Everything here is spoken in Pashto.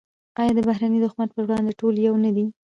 آیا د بهرني دښمن پر وړاندې ټول یو نه دي؟